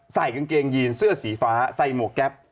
ใส่กางเกงยีนเสื้อสีฟ้าใส่หมวกแก๊ป